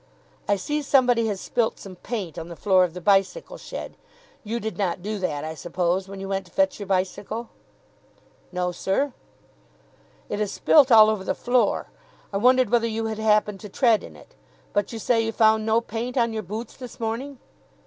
"I see somebody has spilt some paint on the floor of the bicycle shed. You did not do that, I suppose, when you went to fetch your bicycle?" "No, sir." "It is spilt all over the floor. I wondered whether you had happened to tread in it. But you say you found no paint on your boots this morning?"